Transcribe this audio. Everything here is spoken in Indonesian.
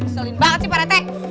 selain banget sih pak rete